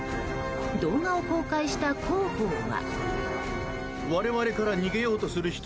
動画を公開した広報は。